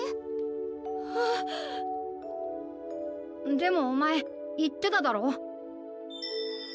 でもおまえいってただろ？